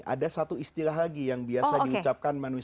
ada satu istilah lagi yang biasa diucapkan manusia